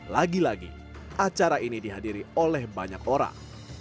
lagi lagi acara ini dihadiri oleh banyak orang